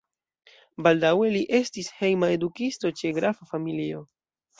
Baldaŭe li estis hejma edukisto ĉe grafa familio.